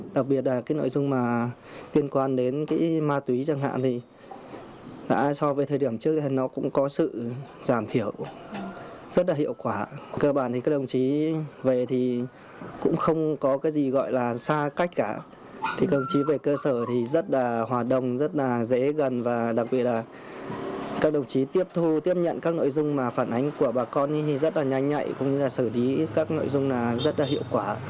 đặc biệt là cái nội dung mà liên quan đến cái ma túy chẳng hạn thì đã so với thời điểm trước thì nó cũng có sự giảm thiểu